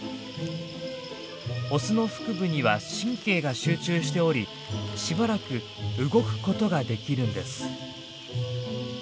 オスの腹部には神経が集中しておりしばらく動くことができるんです。